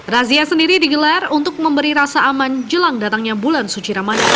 razia sendiri digelar untuk memberi rasa aman jelang datangnya bulan suci ramadan